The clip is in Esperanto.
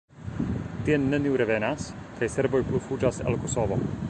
Tien neniu revenas, kaj serboj plu fuĝas el Kosovo.